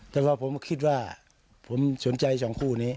แต่พอผมคิดว่าผมสนใจสองคู่นี้